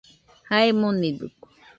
Jae monidɨkue